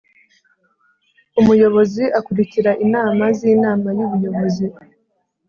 Umuyobozi akurikira inama z’Inama y’Ubuyobozi